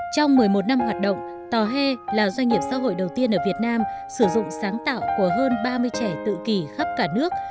trong một mươi một năm hoạt động tòa he là doanh nghiệp xã hội đầu tiên ở việt nam sử dụng sáng tạo của hơn ba mươi trẻ tự kỷ khắp cả nước